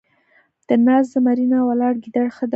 ـ د ناست زمري نه ، ولاړ ګيدړ ښه دی.